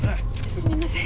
すみません。